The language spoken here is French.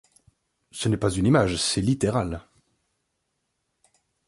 Ce n’est pas une image, c’est littéral.